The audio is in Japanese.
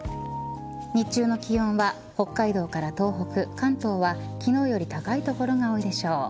日中の気温は北海道から東北、関東は昨日より高い所が多いでしょう。